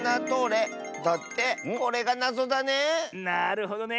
なるほどね。